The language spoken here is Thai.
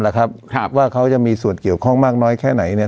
ครับครับว่าเขาจะมีส่วนเกี่ยวข้องมากน้อยแค่ไหนเนี่ย